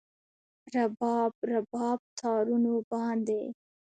رباب، رباب تارونو باندې